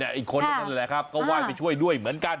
อีกคนนั่นแหละครับก็ไหว้ไปช่วยด้วยเหมือนกัน